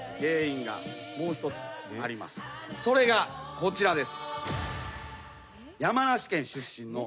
それがこちらです。